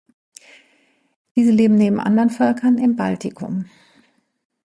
Diese leben neben anderen Völkern im Baltikum.